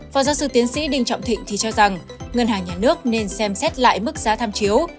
phó giáo sư tiến sĩ đinh trọng thịnh thì cho rằng ngân hàng nhà nước nên xem xét lại mức giá tham chiếu